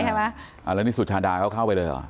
อ่าแล้วนี่สุชาดาเขาเข้าไปเลยเหรอ